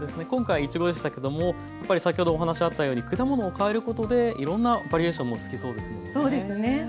今回いちごでしたけどもやっぱり先ほどお話あったように果物を変えることでいろんなバリエーションもつきそうですもんね。